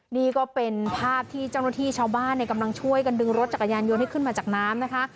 นี่ก็เป็นภาพที่เจ้าหน้าที่ชาวบ้านกำลังช่วยกันดึงรถจักรยานยนต์ให้ขึ้นมาจากน้ำนะคะ